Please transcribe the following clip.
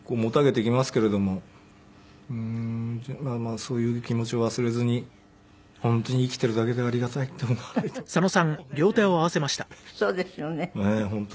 そういう気持ちを忘れずに本当に生きているだけでありがたいって思わないと本当に。